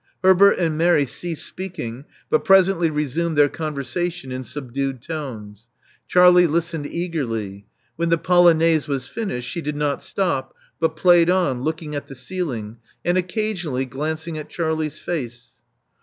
Herbert and Mary ceased speaking, but presently resumed their conversation in subdued tones. Charlie listened eagerly. When the polonaise was finished, she did not stop, but played on, looking at the ceiling, and occasionally glancing at Charlie's face.